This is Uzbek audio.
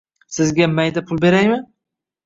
Sizga mayda pul beraymi?